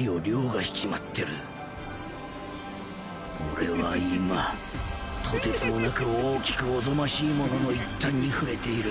俺は今途轍もなく大きく悍ましいモノの一端に触れている